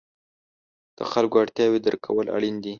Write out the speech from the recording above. د خلکو اړتیاوې درک کول اړین دي.